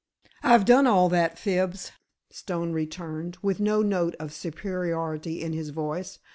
"I've done all that, Fibs," Stone returned, with no note of superiority in his voice.